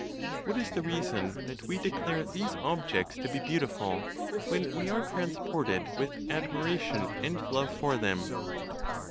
What is the reason that we declare these objects to be beautiful, when we are transported with admiration and love for them?